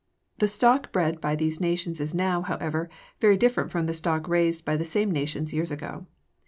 The stock bred by these nations is now, however, very different from the stock raised by the same nations years ago.